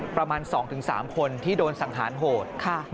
ประมาณ๒๓คนที่โดนสังหารโหด